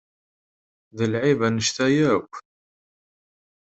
D lεib annect-a yakk?